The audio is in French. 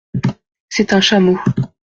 C’est un chameau.